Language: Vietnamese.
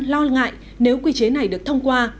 lo ngại nếu quy chế này được thông qua